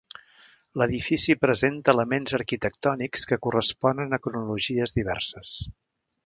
L'edifici presenta elements arquitectònics que corresponen a cronologies diverses.